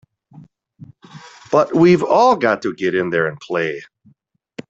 But we've all got to get in there and play!